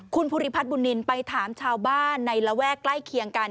คุณภูริพัฒนบุญนินไปถามชาวบ้านในระแวกใกล้เคียงกัน